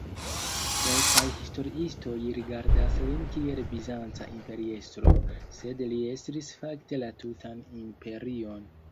Kelkaj historiistoj rigardas lin kiel bizanca imperiestro, sed li estris fakte la tutan imperion.